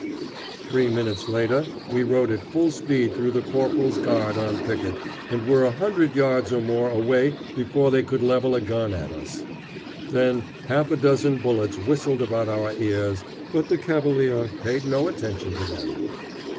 Three minutes later we rode at full speed through the corporal's guard on picket, and were a hundred yards or more away before they could level a gun at us. Then half a dozen bullets whistled about our ears, but the cavalier paid no attention to them.